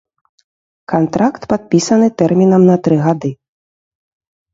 Кантракт падпісаны тэрмінам на тры гады.